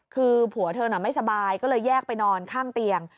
คือผัวเธอน่ะไม่สบายก็เลยแยกไปนอนข้างเตียง